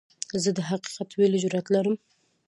زه د حقیقت ویلو جرئت لرم.